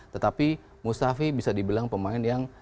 tetapi mustafi bisa dibilang pemain yang